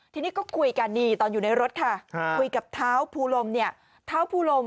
ทีนี้ก็คุยกันนี่ตอนอยู่ในรถค่ะคุยกับเท้าภูลมเท้าภูลม